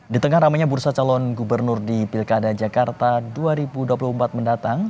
di tengah ramainya bursa calon gubernur di pilkada jakarta dua ribu dua puluh empat mendatang